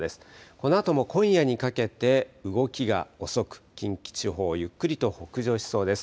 このあとも今夜にかけて動きが遅く近畿地方、ゆっくりと北上しそうです。